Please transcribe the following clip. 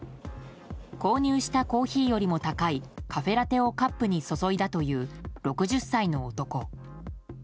購入したコーヒーよりも高いカフェラテをカップに注いだという６０歳の男。